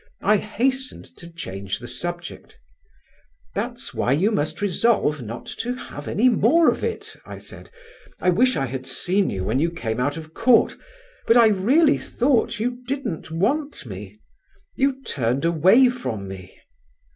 I hastened to change the subject. "That's why you must resolve not to have any more of it," I said; "I wish I had seen you when you came out of court, but I really thought you didn't want me; you turned away from me."